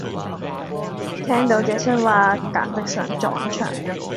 聽到這些話後簡直想撞牆